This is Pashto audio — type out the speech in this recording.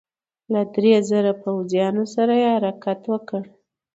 او له دریو زرو پوځیانو سره یې حرکت وکړ.